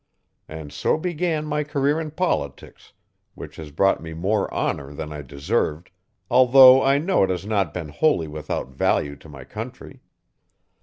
And so began my career in politics which has brought me more honour than I deserved although I know it has not been wholly without value to my country.